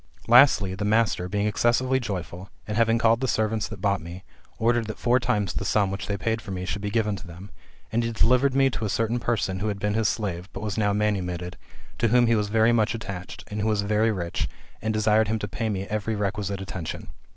Lastly ; the master being excessively joyful, and having called the servants that bought me, ordered that four times the sum which they had paid for me should he given to them ; and he delivered me to a certain person who had been his slave, but was now manumitted, to whom he was very much attached, and who was very rich, and desired him to pay me every requisite attention.